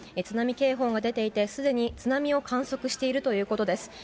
津波警報が出ていてすでに津波を観測しているということです。